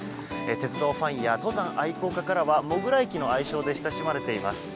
鉄道ファンや登山愛好家からはもぐら駅の愛称で親しまれています。